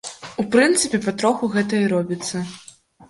У прынцыпе, патроху гэта і робіцца.